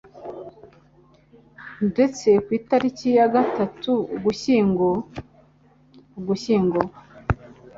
ndetse ku itariki ya gatatu ugushyingo Ugushyingo